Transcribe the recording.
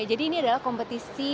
jadi ini adalah kompetisi menyedutkan